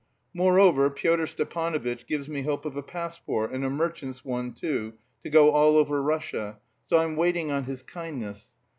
Moreover Pyotr Stepanovitch gives me hopes of a passport, and a merchant's one, too, to go all over Russia, so I'm waiting on his kindness.